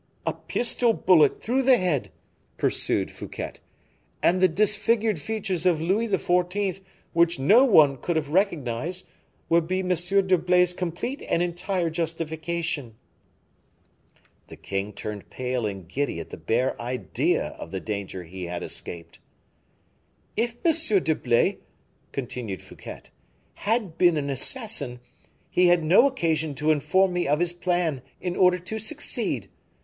"A pistol bullet through the head," pursued Fouquet, "and the disfigured features of Louis XIV., which no one could have recognized, would be M. d'Herblay's complete and entire justification." The king turned pale and giddy at the bare idea of the danger he had escaped. "If M. d'Herblay," continued Fouquet, "had been an assassin, he had no occasion to inform me of his plan in order to succeed.